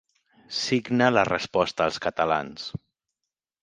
Signa la Resposta als Catalans.